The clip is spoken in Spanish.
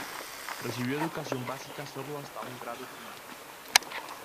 Recibió educación básica solo hasta un grado primario.